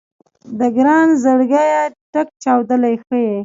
د ګران زړګيه ټک چاودلی ښه يې